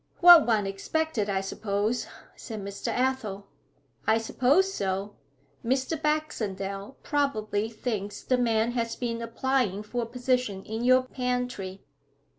'What one expected, I suppose?' said Mr. Athel. 'I suppose so. Mr. Baxendale probably thinks the man has been applying for a position in your pantry.'